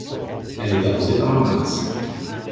Elle est arrosée par le Mars.